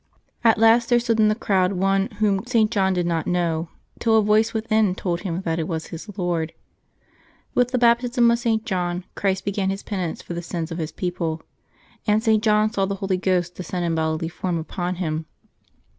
At last there stood in the crowd One Whom St. John did not know, till a voice within told him that it was his Lord. With the bap tism of St. John, Christ began His penance for the sins of His people, and St. John saw the Holy Ghost descend in bodily form upon Him.